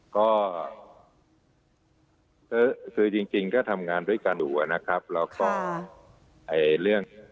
ก็คือจริงจริงก็ทำงานด้วยกันอยู่นะครับแล้วก็คือเรื่อง